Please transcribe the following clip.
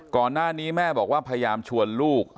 ก่อนหน้านี้แม่บอกว่าพยายามชวนลูก